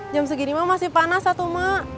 jam segini mak masih panas satu mak